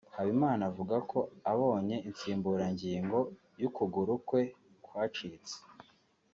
Habimana avuga ko abonye insimburangigo y’ ukuguru kwe kwacitse